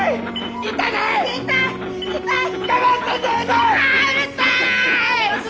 うるさい！